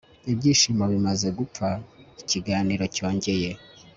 Ibyishimo bimaze gupfa ikiganiro cyongeye